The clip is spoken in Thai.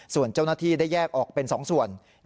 ส่วนเจ้าหน้าที่ได้แยกออกเป็น๒ส่วน